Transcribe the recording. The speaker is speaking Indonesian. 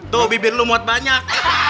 tuh bibir lu muat banyak